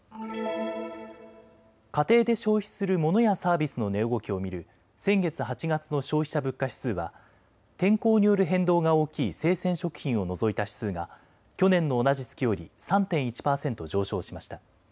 家庭で消費するモノやサービスの値動きを見る先月８月の消費者物価指数は天候による変動が大きい生鮮食品を除いた指数が去年の同じ月より３．１％上昇しました。